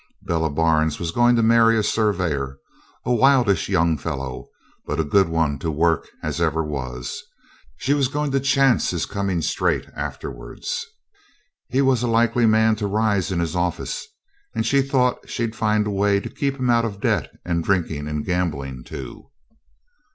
Bella Barnes was going to marry a surveyor, a wildish young fellow, but a good one to work as ever was. She was going to chance his coming straight afterwards. He was a likely man to rise in his office, and she thought she'd find a way to keep him out of debt and drinking and gambling too.